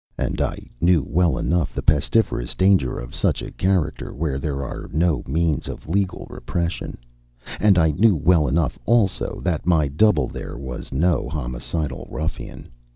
And I knew well enough the pestiferous danger of such a character where there are no means of legal repression. And I knew well enough also that my double there was no homicidal ruffian.